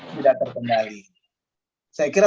tidak terkendali saya kira